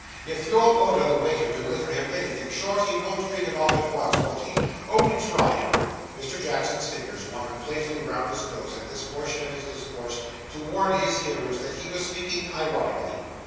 If you'll order the waiter to deliver him anything short, he won't drink it off at once, won't he! only try him!' Mr. Jackson's fingers wandered playfully round his nose at this portion of his discourse, to warn his hearers that he was speaking ironically.